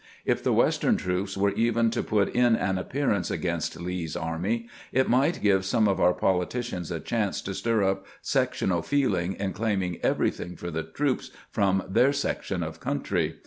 If the Western troops were even LINCOLN AT PETEESBUKG 451 to put in an appearance against Lee's army, it migM give some of our politicians a eliance to stir up sectional feeling in claiming everything for the troops from their own section of country.